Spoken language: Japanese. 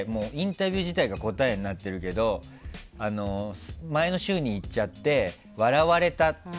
彼、インタビュー自体が答えになってるけど前の週に行っちゃって笑われたって。